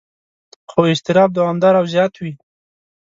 خو اضطراب دوامداره او زیات وي.